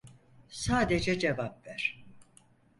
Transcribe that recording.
Sadece cevap ver.